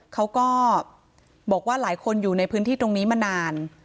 เขาก็บอกว่าหลายคนอยู่ในพื้นที่ตรงนี้มานาน